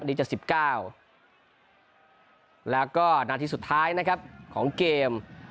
อันนี้จะสิบเก้าแล้วก็นาทีสุดท้ายนะครับของเกม